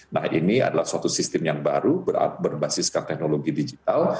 nah ini adalah suatu sistem yang baru berbasiskan teknologi digital